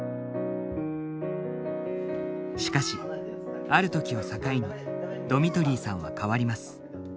しかしある時を境にドミトリーさんは変わります。